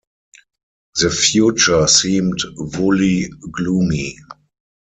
The future seemed wholly gloomy.